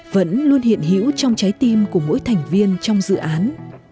vẫn luôn hiện hữu trong trái tim của mỗi thành viên trong dự án